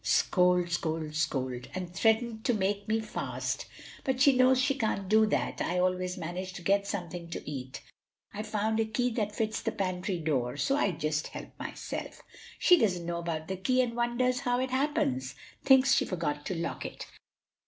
"Scold, scold, scold! and threaten to make me fast; but she knows she can't do that. I always manage to get something to eat. I've found a key that fits the pantry door; so I just help myself. She doesn't know about the key and wonders how it happens; thinks she forgot to lock it."